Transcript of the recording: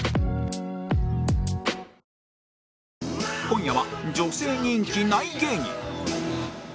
今夜は女性人気ない芸人